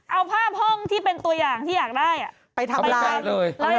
เอาภาพห้องที่เป็นตัวอย่างที่อยากได้ไปทำอะไร